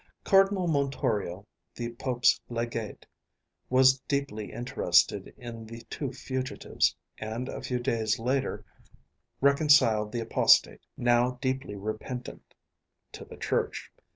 Cardinal Montorio, the Pope's legate, was deeply interested in the two fugitives, and a few days later reconciled the apostate, now deeply repentant, to the Church.